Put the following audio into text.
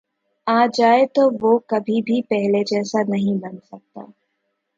آ جائے تو وہ کبھی بھی پہلے جیسا نہیں بن سکتا